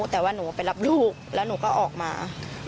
แต่ว่าหนูไปรับลูกแล้วหนูก็ออกมา